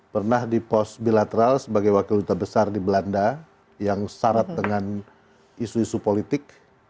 pernah di pos bilateral sebagai wakil duta besar di belanda yang syarat dengan isu isu politik